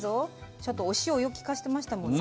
ちゃんとお塩をよくきかしてましたもんね。